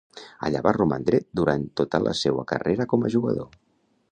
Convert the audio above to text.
Allà va romandre durant tota la seua carrera com a jugador.